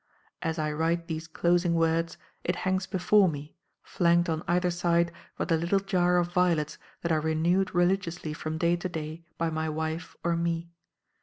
As I write these closing words, it hangs before me, flanked on either side by the little jar of violets that are renewed religiously from day to day by my wife or me.